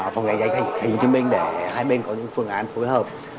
phòng cháy cháy tp hcm để hai bên có những phương án phối hợp